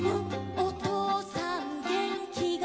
おとうさんげんきがない」